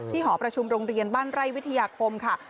หอประชุมโรงเรียนบ้านไร่วิทยาคมค่ะ